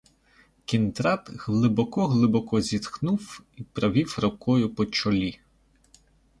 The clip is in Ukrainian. Кіндрат глибоко-глибоко зітхнув і провів рукою по чолі.